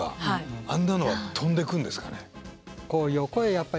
あんなのは飛んでくるんですかね？